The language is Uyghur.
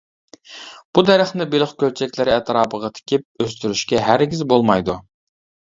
بۇ دەرەخنى بېلىق كۆلچەكلىرى ئەتراپىغا تىكىپ ئۆستۈرۈشكە ھەرگىز بولمايدۇ.